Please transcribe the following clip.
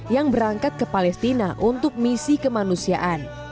yang berangkat ke palestina untuk misi kemanusiaan